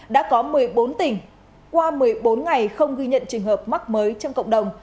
đã có một mươi bốn tỉnh qua một mươi bốn ngày không ghi nhận trường hợp mắc mới trong cộng đồng